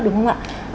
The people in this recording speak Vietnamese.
đúng không ạ